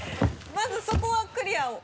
まずそこはクリアを。